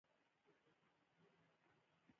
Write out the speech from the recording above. د ماشومانو د حقونو ساتنه په کلکه کیږي.